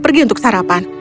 dan pergi untuk sarapan